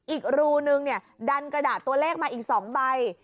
อีกรูนึงดันกระดาษตัวเลขมาอีก๒ใบ